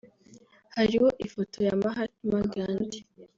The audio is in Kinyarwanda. hariho ifoto ya Mahatma Ghandi